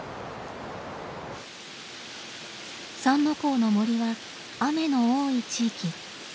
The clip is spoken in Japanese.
三之公の森は雨の多い地域。